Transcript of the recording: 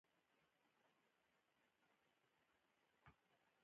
په دې هېواد کې د نساجۍ ستر صنعت راټوکېدلی و.